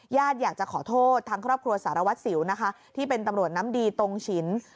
อยากจะขอโทษทางครอบครัวสารวัตรสิวนะคะที่เป็นตำรวจน้ำดีตรงฉิน